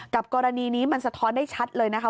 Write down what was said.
กรณีนี้มันสะท้อนได้ชัดเลยนะคะ